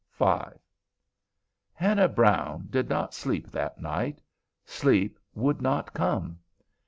V Hannah Brown did not sleep that night. Sleep would not come.